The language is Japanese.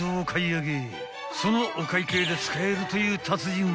［そのお会計で使えるという］